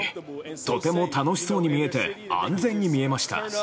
とても楽しそうに見えて、安全に見えました。